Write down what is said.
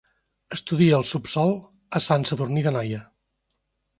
Estudia el subsòl a Sant Sadurní d'Anoia.